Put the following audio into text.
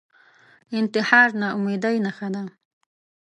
انتحار ناامیدۍ نښه ده